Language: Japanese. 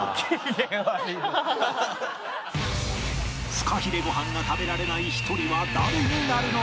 フカヒレご飯が食べられない１人は誰になるのか？